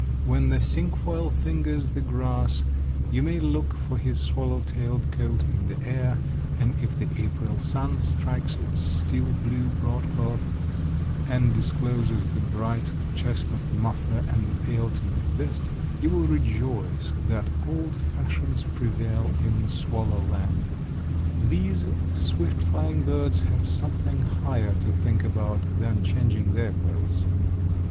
When the cinquefoil fingers the grass, you may look for his swallow tailed coat in the air; and if the April sun strikes its steel blue broadcloth, and discloses the bright chestnut muffler and the pale tinted vest, you will rejoice that old fashions prevail in swallow land. These swift flying birds have something higher to think about than changing their clothes.